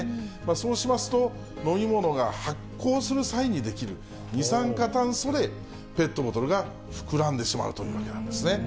そうしますと、飲み物が発酵する際に出来る二酸化炭素でペットボトルが膨らんでしまうというわけなんですね。